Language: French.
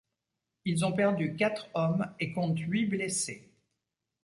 Ils ont perdu quatre hommes et comptent huit blessés.